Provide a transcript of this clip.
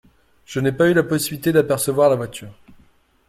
Je n’ai pas eu la possibilité d’apercevoir la voiture.